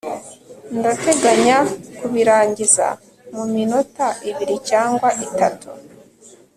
ndateganya kubirangiza mu minota ibiri cyangwa itatu